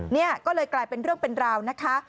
นี่ก็เลยกลายเป็นเรื่องเป็นราวนะคะ